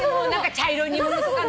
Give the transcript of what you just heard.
茶色い煮物とかね。